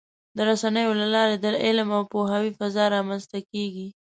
د رسنیو له لارې د علم او پوهاوي فضا رامنځته کېږي.